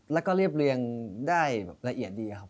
แล้วก็เรียบเรียงได้แบบละเอียดดีครับ